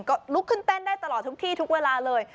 ก็ลุกขึ้นเต้นได้ตลอดทุกที่ทุกเวลาเลย